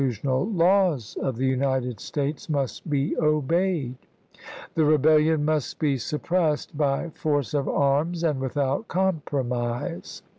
tional laws of the United States must be obeyed, the Rebellion must be suppressed by force of arms and without compromise.